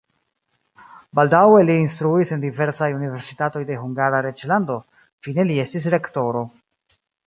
Baldaŭe li instruis en diversaj universitatoj de Hungara reĝlando, fine li estis rektoro.